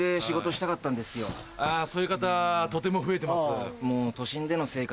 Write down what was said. あそういう方とても増えてます。